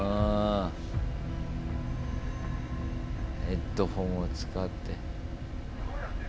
ヘッドホンを使って。